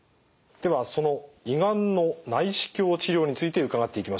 ではその胃がんの内視鏡治療について伺っていきましょう。